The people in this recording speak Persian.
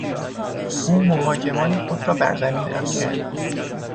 او مهاجمان خود را بر زمین افکند.